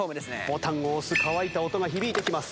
ボタンを押す乾いた音が響いてきます。